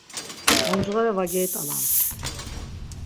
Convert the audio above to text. Oncğore var geyt̆alams.